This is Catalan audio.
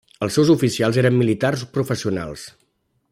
Els seus oficials eren militars professionals.